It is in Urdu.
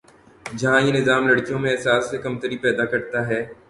جہاں یہ نظام لڑکیوں میں احساسِ کمتری پیدا کرتا ہے